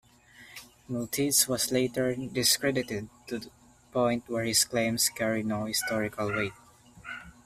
Miltitz was later discredited to the point where his claims carry no historical weight.